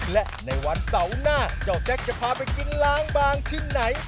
และในวันเสาร์หน้าเจ้าแซ็กจะพาไปกินล้างบางชิ้นไหน